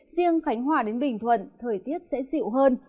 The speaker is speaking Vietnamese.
riêng khánh hòa đến bình thuận thời tiết sẽ dịu hơn